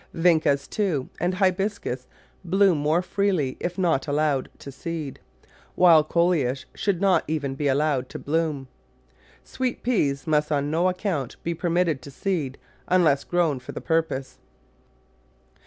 Vincas, too, and Hibiscus bloom more freely if not allowed to seed, while Coleus should not even be al lowed to bloom. Sweet peas must on no account be permitted to seed unless grown for the purpose.